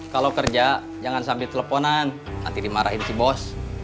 kalau kerja jangan sampai teleponan nanti dimarahin si bos